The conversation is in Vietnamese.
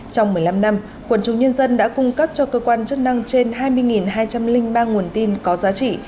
trong một mươi năm năm quần chúng nhân dân đã cung cấp cho cơ quan chức năng trên hai mươi hai trăm linh ba nguồn tin có giá trị